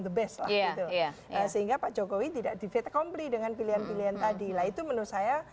the best sehingga pak jokowi tidak di fait accompli dengan pilihan pilihan tadi lah itu menurut saya